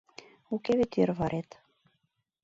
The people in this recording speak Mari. Уке вет йӧрварет.